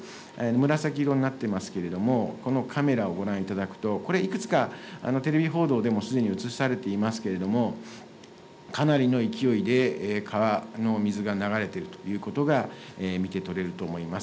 紫色になっていますけれども、このカメラをご覧いただくと、これ、いくつかテレビ報道でもすでに映されていますけれども、かなりの勢いで川の水が流れているということが見て取れると思います。